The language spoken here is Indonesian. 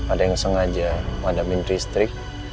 ada yang sengaja madamin listrik